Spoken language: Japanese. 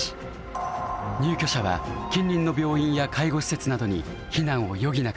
入居者は近隣の病院や介護施設などに避難を余儀なくされました。